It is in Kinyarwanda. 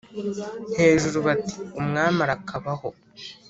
Hejuru bati umwami arakabaho